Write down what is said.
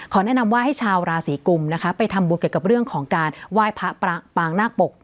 แนะนำว่าให้ชาวราศีกุมนะคะไปทำบุญเกี่ยวกับเรื่องของการไหว้พระปางนาคปก